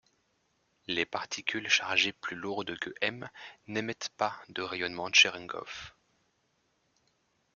Les particules chargées plus lourdes que m n’émettent pas de rayonnement Tcherenkov.